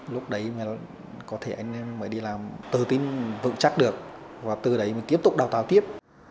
lúc đấy mới có thể anh mới đi làm tự tin vững chắc được và từ đấy mình tiếp tục đào tạo tiếp